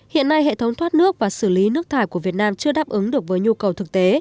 hiện nay hệ thống thoát nước và xử lý nước thải của việt nam chưa đáp ứng được với nhu cầu thực tế